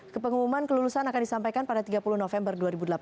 kepenguman kelulusan akan disampaikan pada tiga puluh november dua ribu delapan belas